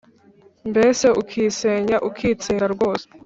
mbese ukisenya ukitsinda rwose